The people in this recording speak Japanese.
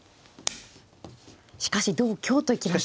しかし同香と行きました。